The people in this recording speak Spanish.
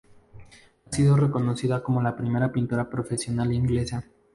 Ha sido reconocida como la primera pintora profesional inglesa.